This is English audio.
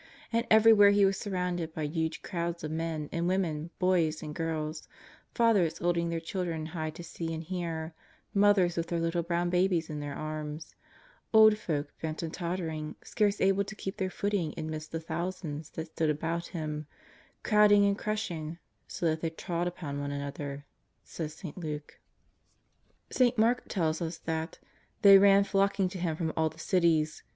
And everywhere He was surrounded by huge crowds of men and women, boys and girls, fathers holding their chil dren high to see and hear, mothers with their little brown babies in their arms, old folk bent and tottering, scarce able to keep their footing amidst the thousands that stood about Him, crowding and crushing '^ so that they trod upon one another,'^ says St. LulvC. St. Mark tells us that " they ran flocking to Him from all the cities.